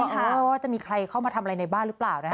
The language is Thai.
ว่าจะมีใครเข้ามาทำอะไรในบ้านหรือเปล่านะคะ